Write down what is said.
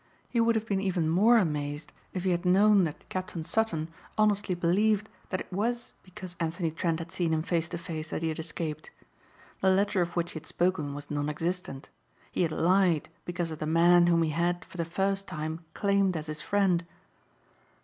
He would have been even more amazed if he had known that Captain Sutton honestly believed that it was because Anthony Trent had seen him face to face that he had escaped. The letter of which he had spoken was non existent. He had lied because of the man whom he had, for the first time, claimed as his friend.